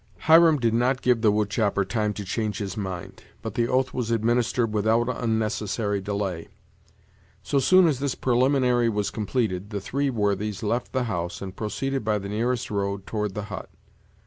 Hiram did not give the wood chopper time to change his mind, but the oath was administered without unnecessary delay. So soon as this preliminary was completed, the three worthies left the house, and proceeded by the nearest road toward the hut.